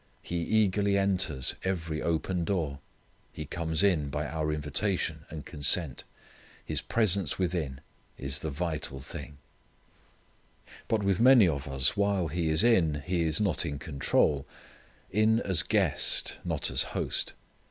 He eagerly enters every open door. He comes in by our invitation and consent. His presence within is the vital thing. But with many of us while He is in, He is not in control: in as guest; not as host.